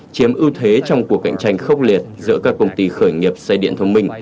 chiếm ưu thế trong cuộc cạnh tranh khốc liệt giữa các công ty khởi nghiệp xe điện thông minh